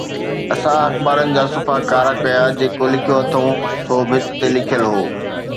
اسان اخبارن جا صفحا ڪارا ڪيا، جيڪي لکيو اٿئون سو ڀت تي لکيل هو.